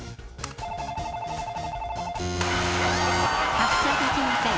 発車できません。